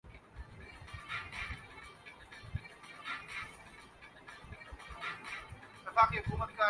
پہاڑی علاقوں کی یہ خصلت مجھے بہت بھاتی ہے